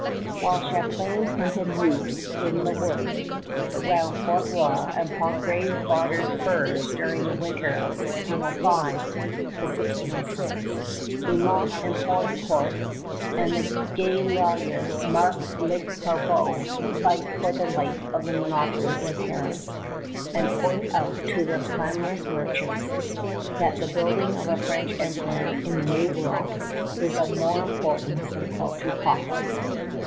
While Champlain hunted moose in the woods round Port Royal and Pontgravé bartered furs during the winter of 1605 1606, De Monts and Poutrincourt and the gay lawyer Marc Lescarbot fight for the life of the monopoly in Paris and point out to the clamorous merchants that the building of a French empire in the New World is of more importance than paltry profits.